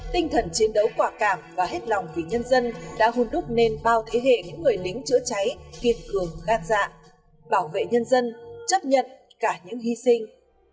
tinh thần chiến đấu quả cảm và hết lòng vì nhân dân đã hôn đúc nên bao thế hệ những người lính chữa cháy kiên cường gạt dạng bảo vệ nhân dân chấp nhận cả những hy sinh